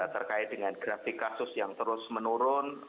terkait dengan grafik kasus yang terus menurun